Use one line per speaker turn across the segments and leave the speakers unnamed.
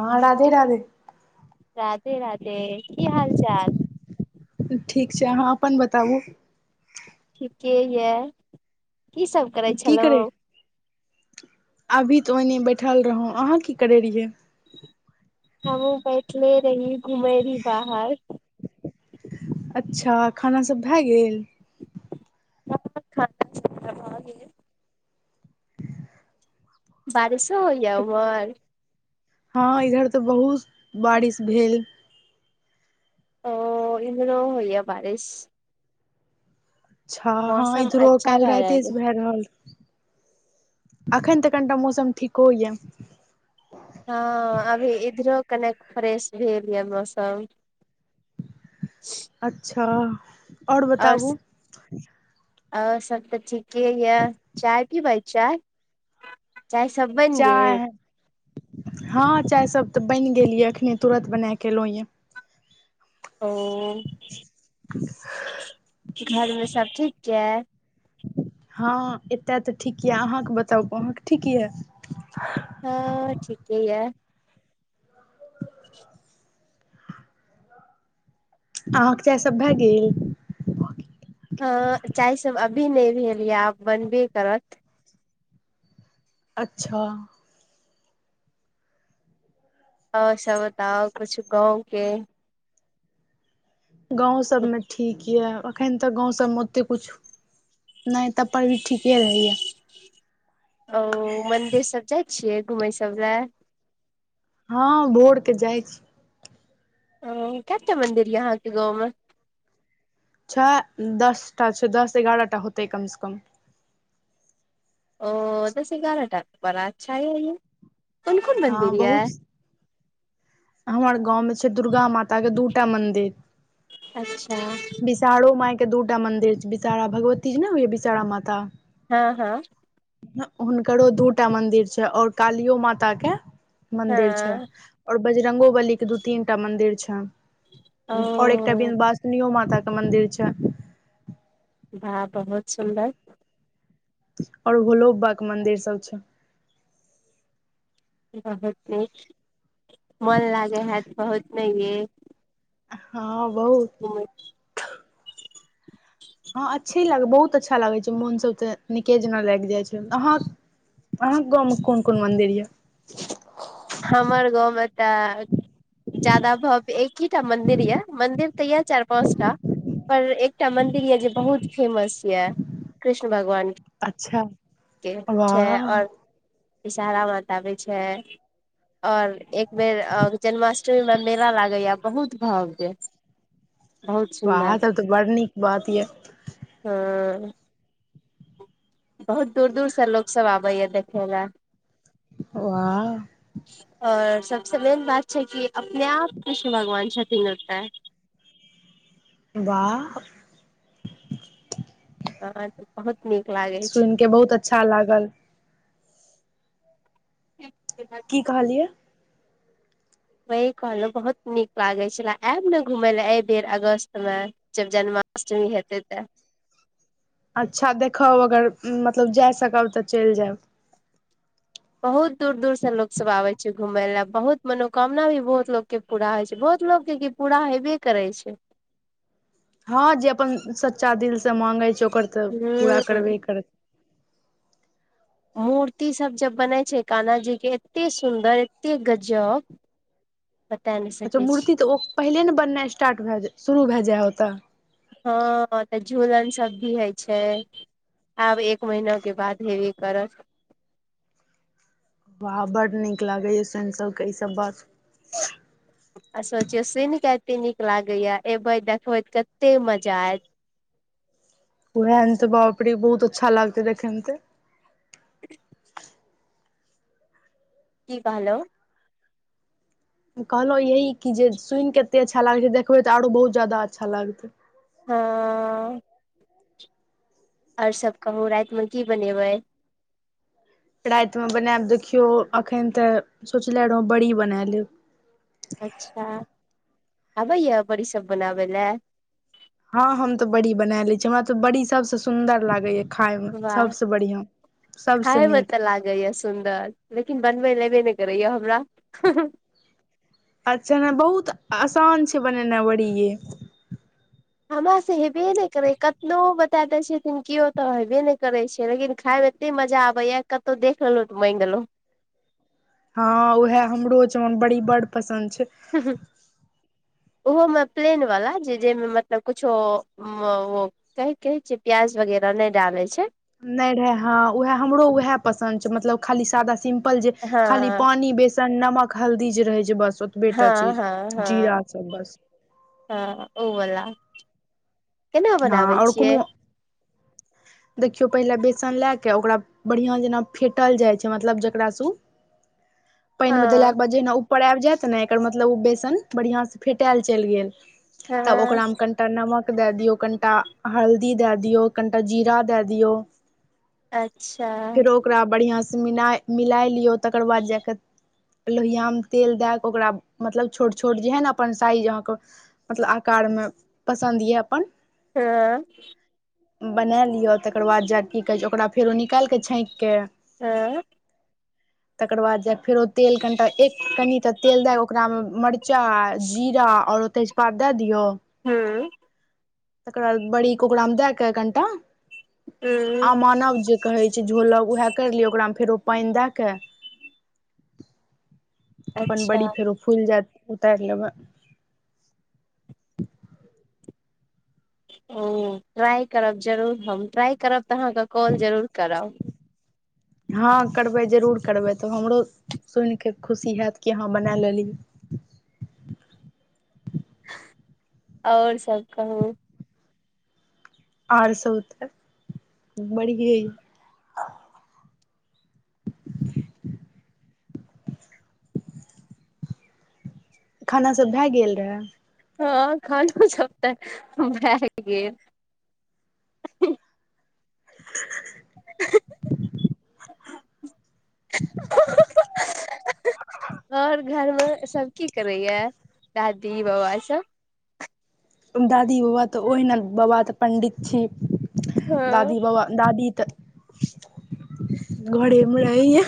हाँ राधे राधे।
राधे राधे की हाल चाल?
ठीक छै अहाँ अपन बताबू।
ठीके ये। की सब करै
की करे
छलहुँ
अभी तऽ ओहिने बैठल रहौ अहाँ की करै रहियै।
हमु बैठले रहीय घुमेै रही बाहर।
अच्छा खाना सब भए गेल?
खाना पीना भ गेलै। बारिशो होइया उम्हर?
हँ इधर तऽ बहुत बारिश भेल।
ओ इधरो होइया बारिश।
अच्छा हँ
मौसम
इधरो
अच्छा
काल्हि
भए
राइते
रहल ये।
सँ भए रहल अखन तऽ कनिटा मौसम ठीको होइया।
हँ अभी इधरो कनेक फ्रेश भेल यऽ मौसम।
अच्छा और बताबू।
और सब तऽ ठीके यऽ चाय पीबै चाय चाय सब बैन गेल।
चाय हँ चाय सब तऽ बनि गेल यए अखने तुरत बना क एलहुँ यए।
ओ घर मे सब ठीक छै?
हँ एते तऽ ठीक यऽ अहाँ के बताउ अहाँ के ठीक यऽ।
हँ ठीके य।
अहाँ के चाय सभ भऽ गेल।
हँ चाय सब अभी नहि भेल यए आब बनबे करत।
अच्छा।
और सब बताउ कुछु गाँव के।
गाँव सभ मे ठीक यए एखन तऽ गाँव सभ मे ओतेक किछु। नहि तब पर भी ठीके रहिया।
ओ मन्दिर सब जाइ छियै घुमै सब लए।
हँ भोरके जाइ छी।
ओ कते मंदिर यऽ अहाँ के गाँव में।
छ दसटा छै दस एगारहटा होतै कम सँ कम।
ओ दस एगारहटा बड़ा अच्छा यै कोन-कोन
हँ
मंदिर
बहुत
यऽ।?
हमर गाँंव मे छै दुर्गा माता के दू टा मंदिर।
अच्छा।
विषारो माय के दू टा मंदिर छै विषारा भगवतीजी न होइया विषारा माता।
हँ हँ।
ह हुनकरो दू टा मंदिर छै और कालियो माता के मंदिर छै
हँ
और बजरंगो बली के दू तीनटा मंदिर छै और एक एक टा
ओ
विंध्यवासनियो माता के मंदिर छै।
भा बहुत सुन्दर।
आओर भोलोबा के मंदिर सब छै।
बहुत नीक छै मन लागै हैत बहुत नैय।
हँ बहुत।
ह [unintelligible]
हँ अच्छी लग, बहुत अच्छा लागै छै, मोन स तऽ नीके जेना लागि जाइ छै। अहाँ अहाँक गांव मे कोन कोन मंदिर यऽ?
हमर गाँव मे तऽ ज्यादा भब एकहिटा मंदिर यऽ। मंदिर तऽ यए चारि पाँच टा पर एकटा मंदिर ये, जे बहुत फेमस ये, कृष्ण भगवान के।
अच्छा
के छै
वाह
आओर विषहारा माता अबै छै। आओर एक बेर अ जन्माष्टमी म मेला लागैए बहुत भव्य। बहुत
बा
सुन्दर
तब तऽ बड़ नीक बात य।
ह बहुत दूर दूर स लोक सब आबैए देखय ल।
वाह
और सबसँ मेन बात छै कि, अपने आप कृष्ण भगवान छथिन्ह ओता।
वाह
हँ तऽ बहुत नीक लागै छै।
सुनि के बहुत अच्छा लागल। की कहलियै?
वही कहलहुं, बहुत नीक लागे छेला। आयब ने घुमय ल एहि बेर अगस्त मे जब जन्माष्टमी हेतै तऽ।
अच्छा देखब अगर, मतलब जा सकब तऽ चलि जायब।
बहुत दूर दूर स लोक सब आबे छै घूमय ल। बहुत मनोकामना भी बहुत लोक के पूरा होइ छै। बहुत लोक के कि, पूरा हेबे करै छै।
हँ जे अपन, सच्चा दिल स माँंगै छै ओकर तऽ, पूरा
हूँ
करबे करत।
मूर्ति सब जब बनै छै काना जी के, एत्ते सुन्दर एत्ते गजब बता नहि
अच्छा
सकै छी
मूर्ति तऽ ओ, पहिले न बननाइ स्टार्ट भए, शुरू भए जाय ओतऽ?
हँ तऽ झूलन सब भी होइ छै। आब एक महिना के बाद हेबे करत।
बाह बड नीक लागे या सुनि सबके ई सब बात
आ सोचियो, सुन के एते नीक लागे या, एबे देखबे कत्ते मजा आयत!
ओहेत अंत बाप रे, बहुत अच्छा लागतै देखन्ते।
की कहलहु?
कहलहुँ यही कि जे सुनि कऽ एतेक अच्छा लागै छै देखबै तऽ आरो बहुत जादा अच्छा लागतै।
हँ आओर सब कहू, राइत म की बनेबै?
राएत में बनेब देखियौ, एखन तऽ सोचनेे रहौ बड़ी बना लेब।
अच्छा, आबैए य बड़ी सब बनाबै लए?
हँ हम तऽ बड़ी बनाय ले छी। हमरा तऽ बड़ी सबसे सुंदर लागे या खाय मऽ
वाह
सब स बढ़िया, सब स नीक।
लागै य स सुन्दर, लेकिन बनबैल एबै नहि करैय हमरा।
अच्छा हँ बहुत आसान छै बनेनाई बड़ी ये।
हमरा से हेबे नहि करै, कतनो बता दै छथिन केओ तऽ हेबे नहि करै छैय, लेकिन खाायमे एते मजा आबेया, कतौ देख लेलौं तऽ मैंग एलौ।
हाँ उहे हमरो जन बड़ी बड पसन्द छै।
ह ह उहोमे प्लेनबला जे जे मे मतलब कुछो ओ [unintelligible] कहि कहै छिअइ, प्याज वगैर नै डालै छै।
नै ढ़ा हं उहे हमरो उहे पसन्द छै, मतलब खाली सादा सिम पल जे
हँ
खाली पानी, बेसन, नमक, हल्दी जे रहै छै बस ओ
हँ
बेटा चीर जीरा सब बस‌।
हाँ ओ बला [inaudible] केना
हँ
बनाबै
आओर
छियै।
कोनो देखियौ पहिले बेसन ला के ओकरा बढ़ियां जेना फेंटल जाइ छै मतलब जकरा सं उ
[unintelligible]
पानिमे देलाके बाद जेहिना ऊपर आबि जाएत ने, एकर मतलब ओ बेसन बढ़ियां से फेंटाएल चलि गेल।
हँ
तब ओकरा मे कनीटा नमक दा दियौ, कनीटा हल्दी दा दियौ। कनीटा जीरा दा दिऔ।
अच्छा।
ओकरा बढ़ियां सं मिला मिलाइ लियौ तकर बाद जा क लोहिया मे तेल दा क ओकरा मतलब छोट छोट जेहन अपन साइज अहाँके मतलब आकारमे पसन्द या अपन
[unintelligible]
बना लिअ, तकर बाद जा क की कहै छै ओकरा फेरो निकालि क छाँकि के
[unintelligible]
तकर बाद जा फेर ओ तेल कनीटा एक कनीटा तेल दा ओकरा मे मरचाई, जीरा और तेज पात द दियौ
हूं।
तकर बाद बड़ीके ओकरा मे द क कनिटा [inaudible]
हूँ
आमानव जे कहै छै झोलब उहे करि लिअ। ओकरामे फेरो पानि दा क [inaudible] अपन
अच्छा
बड़ी फेरो फुलि जाएत, उतारि लेबै।
हूं ट्राई करब जरूर हम। ट्राई करब त अहाँके कॉल जरूर करब।
हाँ करबै जरूर करबै। तब हमरो सुनिके खुशी हैत कि अहाँ बना लेलीये।
[inaudible] और सब कहु।
और सब त [inaudible] बढ़िएं अइ‌। [inaudible] खाना सब भा गेल रहए।
हाँ खाना सब त भा गेल।
[unintelligible]
[unintelligible] [unintelligible] और घर मे सब की करैया? दादी बाबा सब?
दादी बाबा त ओहिना, बाबा त पण्डित छथि।
हँ
दादी बाबा दादी त [inaudible] घरे मे रहैया।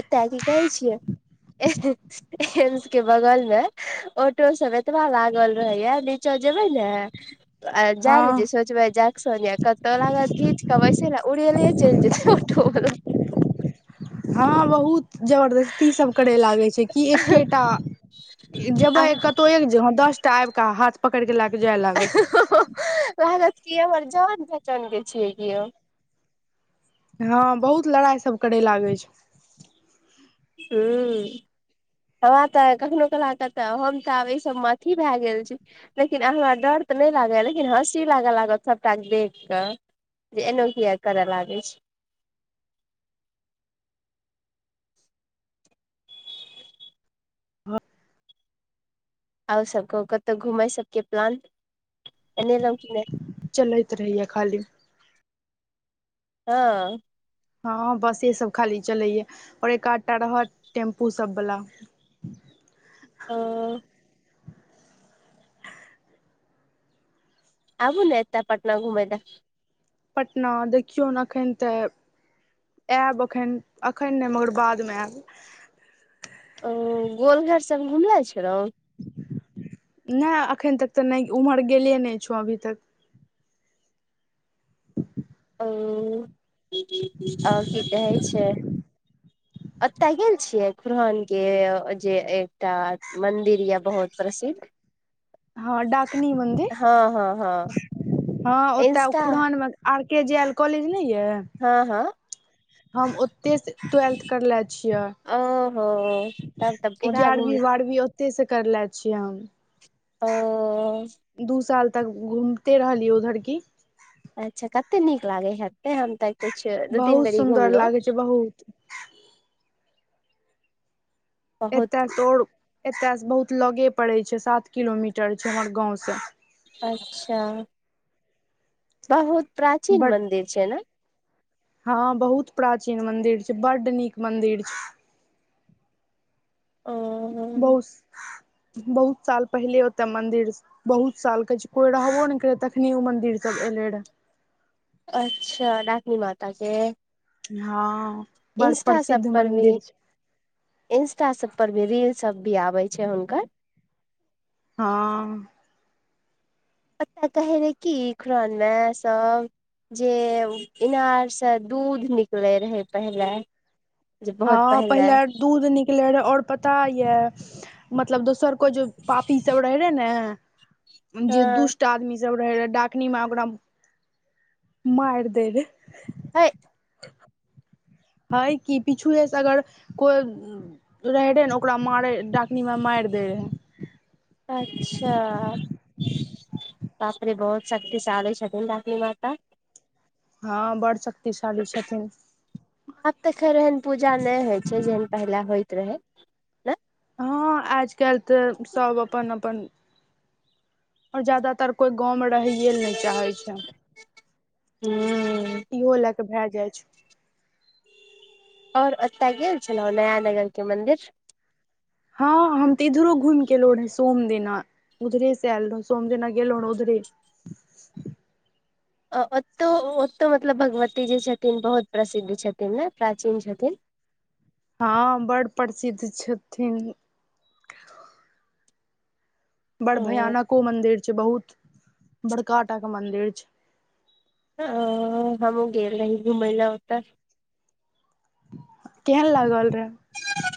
एतै त कहै छियै। [inaudible] एं हें। एम्स के बगलमे ऑटो सब एतबा लागल रहैया। नीचा जेबै ने आ जा ने जे
हँ
सोचबै जा संगे कत लागत घीच क बैसे ला उड़ेले चलि जेतै [unintelligible]
[inaudible] हँ बहुत जबरदस्ती इ सब करय लागे छै, कि एकेटा
आ
जेबै कत तो, दस टा आबि कऽ हाथ पकैड़ के लऽ के जाए लागत।
कहलैत की हमर जान पेहचान के छीयै कियो।
हँ बहुत लड़ाई सब करय लागै छै।
हुम्म। हमरा तऽ कखनो कला के, हम तऽ आब एहि सबमे अथी भए गेल छी। लेकिन हमरा डर तऽ नै लागैया, लेकिन हँसी लागऽ लागत सबटा देख कऽ। जे एनो किया कर लागै छै। और सब कहु, कतहु घुमैय सबके प्लान बने लाउ कि नै।
चल़ैत रहैया खाली।
हँ।
हँ बसे सब खाली चलैया, और एक-आधटा रहत टेम्पू सब वाला।
ओ। आबू ने एतऽ पटना घुमै ला।
पटना देखियौ ने एखन तऽ। आयब एखन, - एखन नै मगर बादमें आयब।
ओ गोलघर सब घुमले छेलौं।
नैय अखन तक तऽ नै उम्हर गेले नै छौं अभी तक।
ओ, और की कहै छै। ओत गेल छियै खुरहान के जे एकटा मंदिर यऽ बहुत प्रसिद्ध।
हँ डाकनी मन्दिर
हँ हँ हँ
हँ, ओतऽ
इंस्टा
खुड़हान में। आर के जे एल कॉलेज नै यऽ।
हँ- हँ।
हम ओतय सँ ट्वेल्थ करले छिये।
ओहो तब तऽ पूरा घुम
इग्यारहवीं बारहवीं ओतऽ। ओतय सऽ करले छियै
ओ
हम। दू साल तब घुमिते रहलियै उधर की।
अच्छा कते नीक लागै हे, एते हम तऽ कुछ दू तीन
बहुत
बेरी
सुन्दर लागे
घुमलहुं।
छै बहुत। एतय
बहुत
सँ ओर एतयसँ बहुत लगे पड़ै छै, सात किलोमीटर छै हमर गाँवसँ।
अच्छा। बहुत प्राचीन
बट
मन्दिर छै ने।
हँ बहुत प्राचीन मंदिर छै, बड्ड नीक मंदिर छै।
ओ
बहुस- बहुत साल पहिले ओते मंदिर बहुत साल के छै, कोई रहबो ने करै तखनी ओ मंदिर सब एले रहे।
अच्छा डाकनी माताके।
हँ। बड़
इन्स्टा सब
प्रसिद्ध
पर भी।
मंदिर छै
इंस्टा सब पर भी रील सब भी आबै छै हुनकर।
हँ।
पता कहै रहै की, खुड़हान में सब। जे इनारसँ दूध निकलैय रहय पहिले। जे बहुत
हँ पहिले ओर दूध निकले रहय और पता यऽ मतलब दोसर कोई जे पापी सब रहे रहऽ ने जे
हँ
दुष्ट ट आदमी सब रहै रहे, डाकनी माँ ओकरा माइर देबे।
हए
अए कि पीछुएसँ अगर कोइ रहै रहे ने ओकरा मारे डाकनी माँ मारि दै।
अच्छा बापरे बहुत शक्तिशाली छथिन डाकनी माता
हँ बड़ शक्तिशाली छथिन।
आब तऽ खैर एहन पूजा नहि होइ छै जेहन पहिले होइत रहै। ने
हँ आज कैल तऽ सब अपन-अपन और जादातर कोइ गाँवमे रहैए लऽ नहि चाहै छै। इहो लए कऽ भैऽ जाइ छै।
और ऐत गेल छलौ नया नगर के मंदिर?
हँ हम तऽ इधरो घुमि के ऐलो रहेै सोम दिना। उधरे से ऐल रहु सोम दिना गेलौ रहौ उधरे।
आ ओतौ ओतौ मतलब भगवती जे छथिन बहुत प्रसिद्ध छथिन ने प्राचीन छथिन।
हँ बड़ प्रसिद्ध छथिन। बड़
ओ
भयानको मंदिर छै बहुत बड़का टा के मंदिर छै।
अ हमहुँ गेल रही घुमै लऽ ओतऽ।
केहन लागल रहे?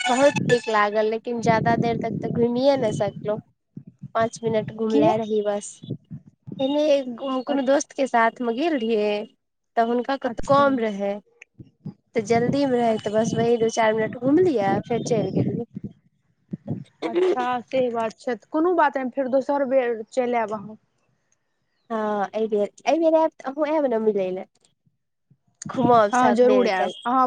बहुत नीक लागल लेकिन जदा देर तक तऽ घुमिए नहि सकलहु पाँच मिनट घुमला
किया
रही बस पहिने को कोनो दोस्तके साथमे गेल रहियै। तऽ हुनका कतौ
अच्छा
काम रहै तऽ जल्दी मे रहि तऽ
अच्छा
बस वही दू चारि मिनट घूमलियै फेर चलि गेलिये [unintelligible]
सेे बात छै तऽ कोनो बात नहि फेर दोसर बेर चलि ऐब अहाँ।
हँ एहि बेर एहि बेर ऐब त आहूं ऐब नऽ मिलैलेऽ। घुमब
हँ
सब
जरूर आयब
मिलके
अहाँ